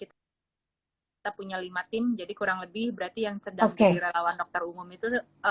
kita punya lima tim jadi kurang lebih berarti yang sedang jadi relawan dokter umum itu